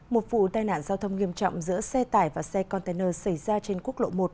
một vụ tai nạn giao thông nghiêm trọng giữa xe tải và xe container xảy ra trên quốc lộ một